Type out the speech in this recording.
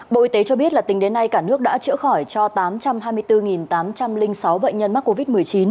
bộ y tế cho biết là tính đến nay cả nước đã chữa khỏi cho tám trăm hai mươi bốn tám trăm linh sáu bệnh nhân mắc covid một mươi chín